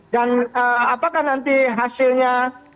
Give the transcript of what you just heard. dan apakah nanti hasilnya